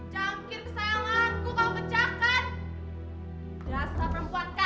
jangkir kesayanganku kau pecahkan